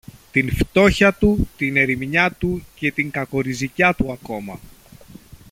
Τη φτώχεια του, την ερημιά του και την κακοριζικιά του ακόμα